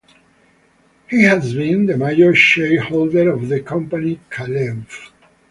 He has been the major shareholder of the company Kalev.